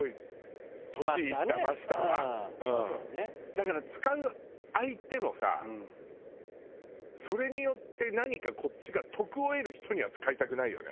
だから使う相手もさそれによって何かこっちが徳を得る人には使いたくないよね。